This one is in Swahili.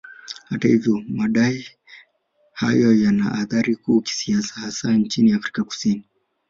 Hata hivyo madai hayo yana athari kuu kisiasa hasa nchini Afrika Kusini